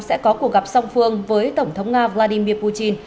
sẽ có cuộc gặp song phương với tổng thống nga vladimir putin